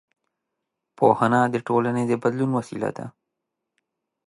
پوهنه د ټولنې د بدلون وسیله ده